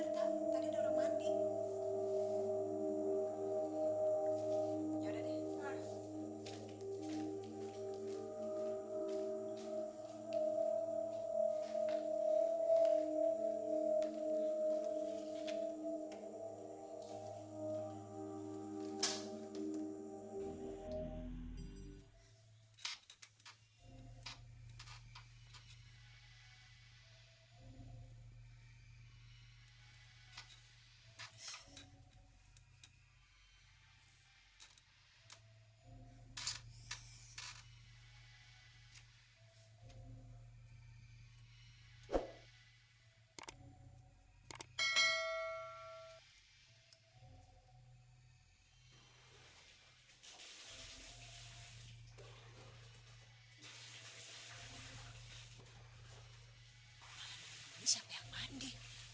tapi bener tak tadi ada orang mandi